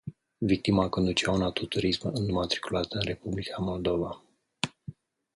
Victima conducea un autoturism înmatriculat în Republica Moldova.